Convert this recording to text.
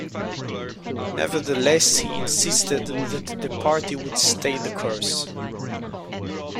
Nevertheless, he insisted that the party would 'stay the course'.